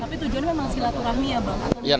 tapi tujuan memang silaturahmi ya bang